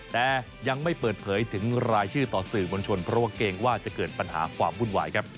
แต่ยังไม่เปิดเผยถึงรายชื่อต่อสื่อบนชวน